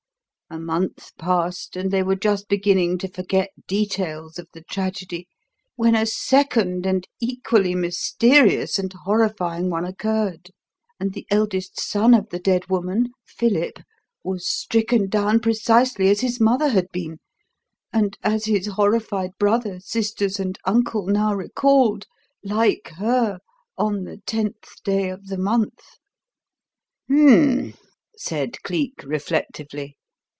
A month passed and they were just beginning to forget details of the tragedy when a second and equally mysterious and horrifying one occurred, and the eldest son of the dead woman Philip was stricken down precisely as his mother had been, and, as his horrified brother, sisters, and uncle now recalled, like her, on the tenth day of the month!" "Hum m m!" said Cleek, reflectively.